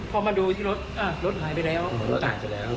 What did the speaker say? พอมาดูที่รถอ่ะรถหายไปแล้ว